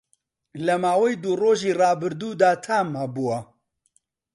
لە ماوەی دوو ڕۆژی ڕابردوودا تام هەبووه